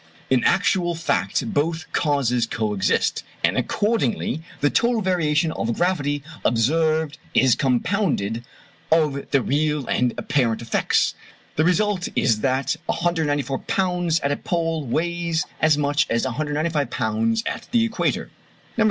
In actual fact both causes co exist, and accordingly the total variation of gravity observed is compounded of the real and the apparent effects; the result is that 194 pounds at a pole weighs as much as 195 pounds at the equator. No.